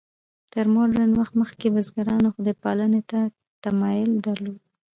تر مډرن وخت مخکې بزګرانو خدای پالنې ته تمایل درلود.